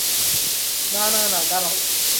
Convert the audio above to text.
না, না, না, দাঁড়াও!